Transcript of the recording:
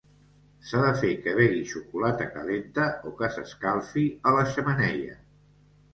S'ha de fer que begui xocolata calenta o que s'escalfi a la xemeneia.